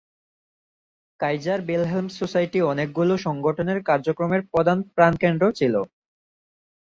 Kaiser Wilhelm society অনেকগুলো সংগঠনের কার্যক্রমের প্রধান প্রাণকেন্দ্র ছিল।